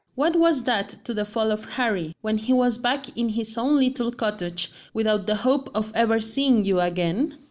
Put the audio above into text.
What was that to the fall of Harry, when he was back in his own little cottage, without the hope of ever seeing you again?